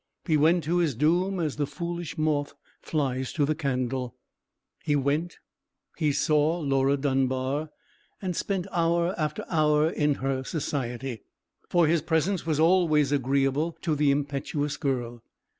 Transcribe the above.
He went to his doom as the foolish moth flies to the candle. He went, he saw Laura Dunbar, and spent hour after hour in her society: for his presence was always agreeable to the impetuous girl.